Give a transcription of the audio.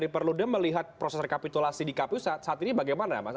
perludem melihat proses rekapitulasi di kpu saat ini bagaimana mas